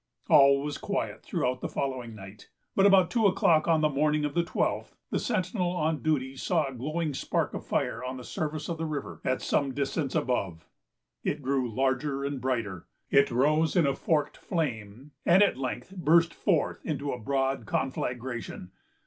All was quiet throughout the following night; but about two o'clock on the morning of the twelfth, the sentinel on duty saw a glowing spark of fire on the surface of the river, at some distance above. It grew larger and brighter; it rose in a forked flame, and at length burst forth into a broad conflagration.